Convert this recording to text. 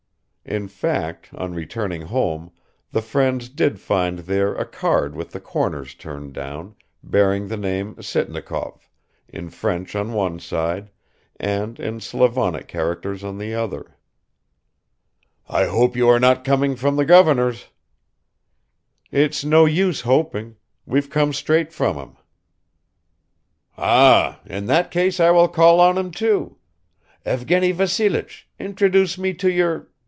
(In fact on returning home the friends did find there a card with the corners turned down, bearing the name Sitnikov, in French on one side, and in Slavonic characters on the other.) "I hope you are not coming from the governor's." "It's no use hoping. We've come straight from him." "Ah, in that case I will call on him, too ... Evgeny Vassilich, introduce me to your